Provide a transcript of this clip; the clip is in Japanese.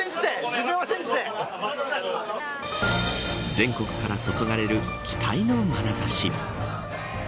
全国から注がれる期待のまなざし。